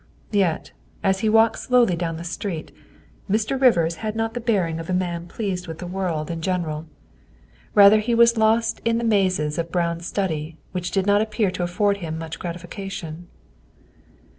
Yet, as he walked slowly down the street, Mr. Rivers had not the bearing of a man pleased with the world in THE SECRETARY OF STATE 211 general. Rather, he was lost in the mazes of a brown study which did not appear to afford him much grati fication.